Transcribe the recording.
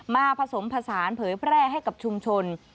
ผสมผสานเผยแพร่ให้กับชุมชน